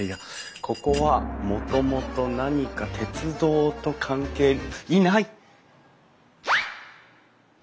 ここはもともと何か鉄道と関係がいない！